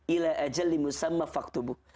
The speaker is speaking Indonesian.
ila ajalimu samma faktubu